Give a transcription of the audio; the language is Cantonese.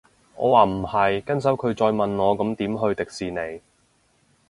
我話唔係，跟手佢再問我咁點去迪士尼